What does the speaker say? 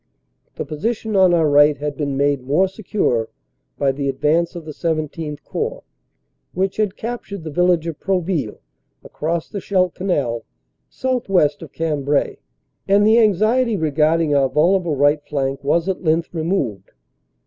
The position on our right had been made more secure by the advance of the XVII Corps, which had captured the village of Proville, across the Scheldt Canal, southwest of Cambrai, and the anxiety regarding our vulnerable right flank was at length removed.